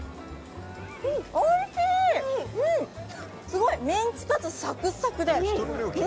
すごいメンチカツサクサクで。